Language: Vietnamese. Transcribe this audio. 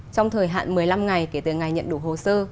trong thời hạn một mươi năm ngày kể từ ngày nhận đủ hồ sơ